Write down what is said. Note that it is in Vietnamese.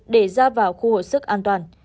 để ra vào khu hội sức an toàn